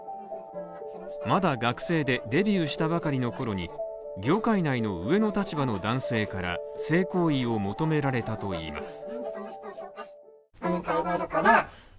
まだ学生で、デビューしたばかりのころに業界内の上の立場の男性から性行為を求められたといいます。